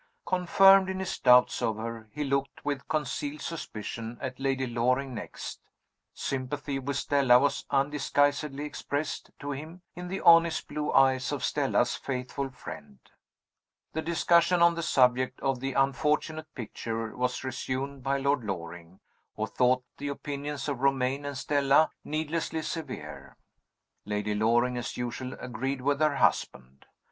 Confirmed in his doubts of her, he looked, with concealed suspicion, at Lady Loring next. Sympathy with Stella was undisguisedly expressed to him in the honest blue eyes of Stella's faithful friend. The discussion on the subject of the unfortunate picture was resumed by Lord Loring, who thought the opinions of Romayne and Stella needlessly severe. Lady Loring, as usual, agreed with her husband.